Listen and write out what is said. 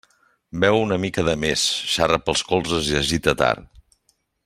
Beu una mica de més, xarra pels colzes i es gita tard.